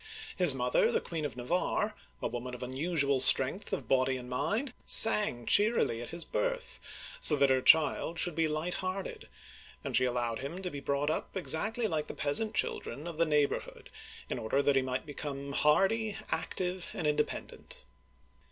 His mother, the Queen of Navarre, a woman of unusual strength of body and mind, sang cheerily at his birth, so that her child should be light hearted ; and she allowed him to be brought up exactly like the peasant children of the neigh borhood, in order that he might become hardy, active, and independent.